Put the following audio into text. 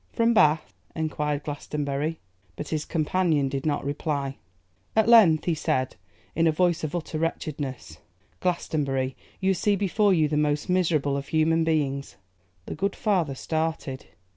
'From Bath?' enquired Glastonbury. But his companion did not reply. At length he said, in a voice of utter wretchedness, 'Glastonbury, you see before you the most miserable of human beings.' The good father started.